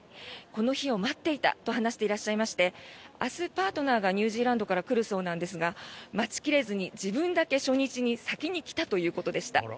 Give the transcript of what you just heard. この日を待っていたと話していらっしゃいまして明日、パートナーがニュージーランドから来るそうなんですが待ち切れずに自分だけ初日に先に来たということでした。